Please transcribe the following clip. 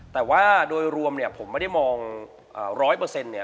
แต่ว่าโดยรวมเนี่ยผมไม่ได้มอง๑๐๐เนี่ย